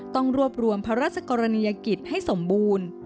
ต้องรวบรวมพระราชกรณียกิจให้สมบูรณ์